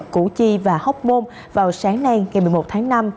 củ chi và hóc môn vào sáng nay ngày một mươi một tháng năm